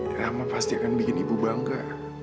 drama pasti akan bikin ibu bangga